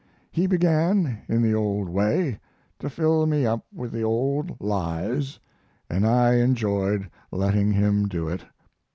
He began, in the old way, to fill me up with the old lies, and I enjoyed letting him do it.